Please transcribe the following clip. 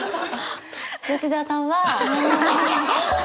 吉澤さんは。